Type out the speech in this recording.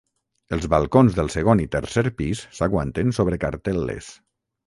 Els balcons del segon i tercer pis s'aguanten sobre cartel·les.